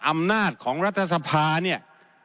อำนาจของรัฐธรรมนูญเนี่ย